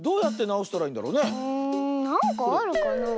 なんかあるかなあ？